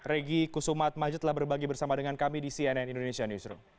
regi kusumat majid telah berbagi bersama dengan kami di cnn indonesia newsroom